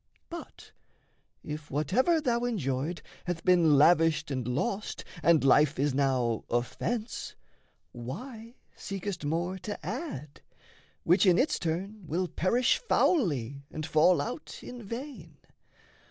But if whatever thou enjoyed hath been Lavished and lost, and life is now offence, Why seekest more to add which in its turn Will perish foully and fall out in vain?